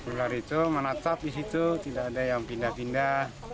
ular itu menatap di situ tidak ada yang pindah pindah